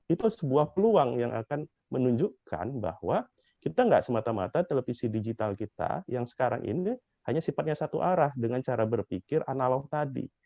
itu sebuah peluang yang akan menunjukkan bahwa kita gak semata mata televisi digital kita yang sekarang ini hanya sifatnya satu arah dengan cara berpikir analog tadi